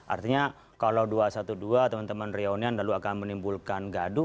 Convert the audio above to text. artinya kalau dua ratus dua belas teman teman reonian lalu akan menimbulkan gaduh